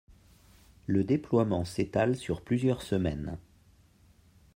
Le déploiement s'étale sur plusieurs semaines.